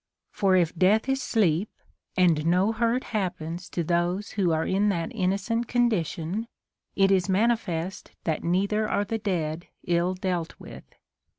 For if death is sleep, and no hurt happens to those who are in that innocent condition, it is manifest that neither are the dead ill dealt with.